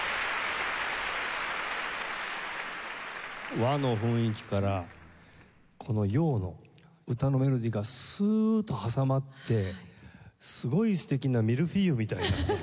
和の雰囲気からこの洋の歌のメロディーがスーッと挟まってすごい素敵なミルフィーユみたいなね。